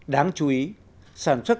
đáng chú ý sản xuất